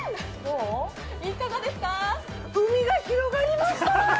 海が広がりました。